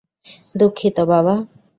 দুঃখিত, বাবা!